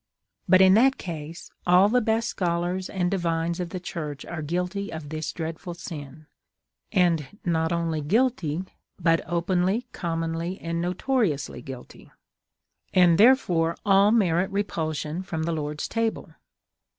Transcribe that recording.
But in that case all the best scholars and divines of the Church are guilty of this dreadful sin; and not only guilty, but openly, commonly and notoriously guilty: and therefore all merit repulsion from the Lord's table.